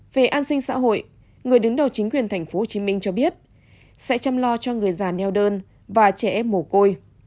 về an sinh xã hội người đứng đầu chính quyền tp hcm cho biết sẽ chăm lo cho người già neo đơn và trẻ em mồ côi